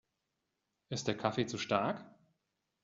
Ist der Kaffee zu stark?